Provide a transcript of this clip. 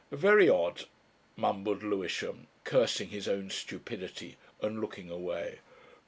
"Very odd," mumbled Lewisham, cursing his own stupidity and looking away.